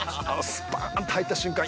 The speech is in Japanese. スパーンと入った瞬間